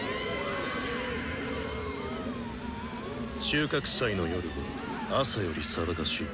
収穫祭の夜は朝より騒がしい。